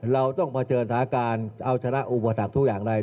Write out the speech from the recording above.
เราต้องเผชิญสถานการณ์เอาชนะอุปสรรคทุกอย่างได้